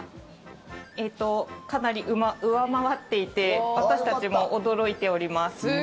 かなり上回っていて私たちも驚いております。